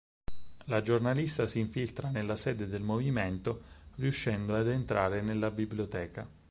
La giornalista si infiltra nella sede del Movimento, riuscendo ad entrare nella biblioteca.